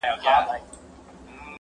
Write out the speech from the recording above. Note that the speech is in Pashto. پر اوښتي تر نیوي وه زیات کلونه،